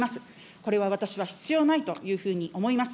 これは私は、必要ないというふうに思います。